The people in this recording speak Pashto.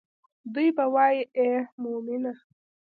دوي به وائي اے مومنه!